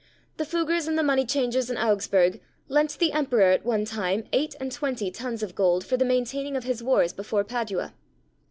The Fuggars and the money changers in Augsburg lent the Emperor at one time eight and twenty tons of gold for the maintaining of his wars before Padua.